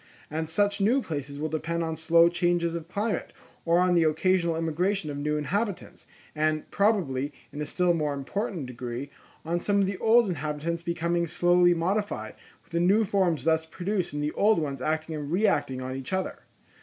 And such new places will depend on slow changes of climate, or on the occasional immigration of new inhabitants, and, probably, in a still more important degree, on some of the old inhabitants becoming slowly modified, with the new forms thus produced and the old ones acting and reacting on each other.